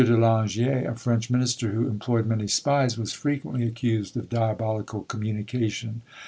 de Langier, a French minister, who employed many spies, was frequently accused of diabolical communication.